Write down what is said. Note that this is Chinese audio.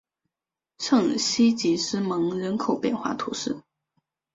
圣西吉斯蒙人口变化图示